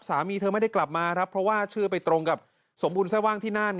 สามีเธอไม่ได้กลับมาครับเพราะว่าชื่อไปตรงกับสมบูรณแร่ว่างที่นั่น